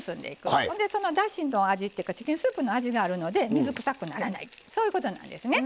そのだしの味っていうかチキンスープの味があるので水くさくならないそういうことなんですね。